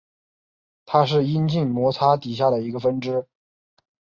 它是阴茎摩擦底下的一个分支。